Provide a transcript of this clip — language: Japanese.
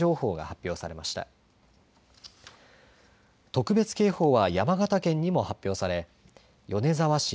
特別警報は山形県にも発表され米沢市、